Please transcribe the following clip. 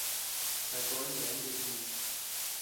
Sakon yeabean luuchi noos.